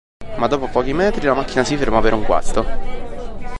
Ma dopo pochi metri la macchina si ferma per un guasto.